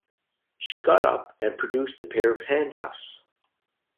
She got up and produced a pair of handcuffs.